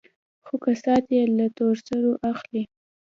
خو کسات يې له تور سرو اخلي.